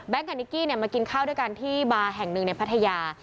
กับนิกกี้มากินข้าวด้วยกันที่บาร์แห่งหนึ่งในพัทยา